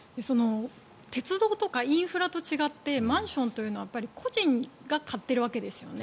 鉄道とかインフラと違ってマンションというのは個人が買っているわけですよね。